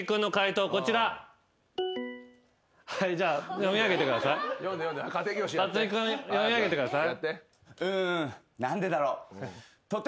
はいじゃあ読み上げてください。